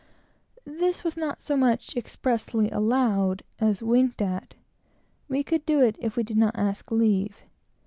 This was not so much expressly allowed, as winked at. We could do it if we did not ask leave.